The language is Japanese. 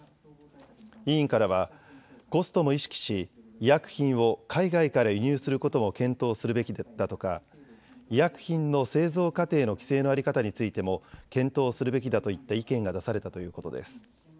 委員からはコストも意識し医薬品を海外から輸入することも検討するべきだとか医薬品の製造過程の規制の在り方についても検討するべきだといった意見が出されたということです。